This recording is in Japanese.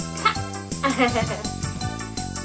アハハハ。